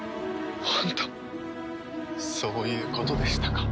そういうことでしたか。